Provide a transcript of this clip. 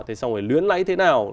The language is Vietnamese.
thế xong rồi luyến lấy thế nào